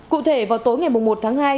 cụ thể vào tối ngày một tháng hai